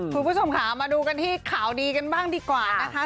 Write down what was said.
คุณผู้ชมค่ะมาดูกันที่ข่าวดีกันบ้างดีกว่านะคะ